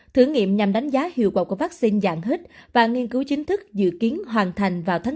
thử nghiệm nhằm đánh giá hiệu quả của vaccine dạng hít và nghiên cứu chính thức dự kiến hoàn thành vào tháng chín